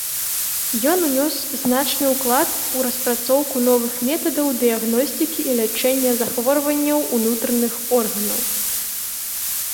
Ён ўнёс значны ўклад у распрацоўку новых метадаў дыягностыкі і лячэння захворванняў унутраных органаў.